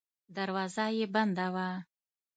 دروازه یې بنده وه.